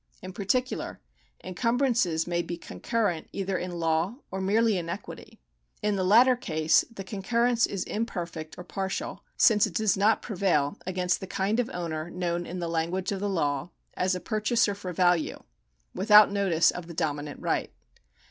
In particular, encumbrances may be conciurent either in law or merely in equity. In the latter case the concurrence is imperfect or partial, since it does not prevail against the kind of owner known in the language of the law as a pur chaser for value without notice of the dominant right.